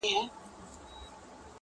دا آخره زمانه ده په پیمان اعتبار نسته؛